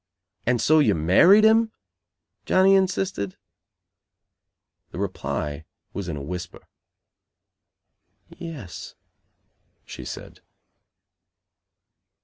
"And so you married him?" Johnny insisted. The reply was in a whisper. "Yes," she said.